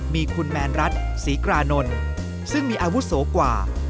มีคุณแมนรัฐศรีกรานนท์ซึ่งมีอาวุโสกว่า